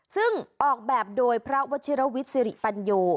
ซึ่งออกแบบโดยพระวชิรวิทย์สิริปัญโย